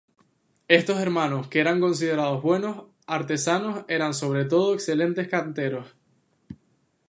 Estos hermanos que eran considerados buenos artesanos eran, sobre todo, excelentes canteros.